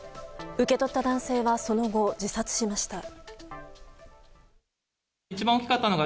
受け取った男性はその後、自殺しました。